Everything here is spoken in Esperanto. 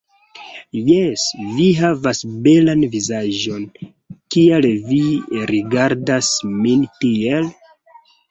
Jes, vi havas belan vizaĝon, kial vi rigardas min tiel?